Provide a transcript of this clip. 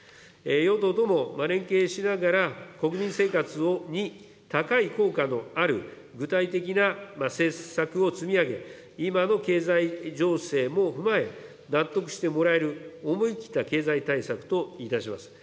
与党とも連携しながら、国民生活に高い効果のある具体的な施策を積み上げ、今の経済情勢も踏まえ、納得してもらえる思い切った経済対策といたします。